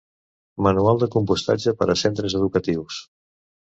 Manual de compostatge per a centres educatius.